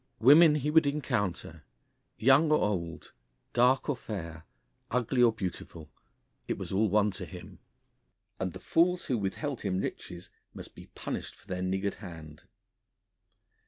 Women he would encounter young or old, dark or fair, ugly or beautiful, it was all one to him and the fools who withheld him riches must be punished for their niggard hand.